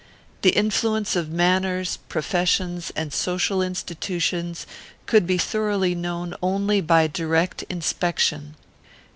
The influence of manners, professions, and social institutions, could be thoroughly known only by direct inspection.